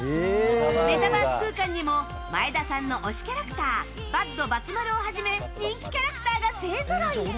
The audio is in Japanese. メタバース空間にも前田さんの推しキャラクターバッドばつ丸をはじめ人気キャラクターが勢ぞろい。